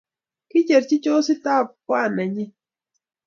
Kicherchi chosit ab kwan nenyi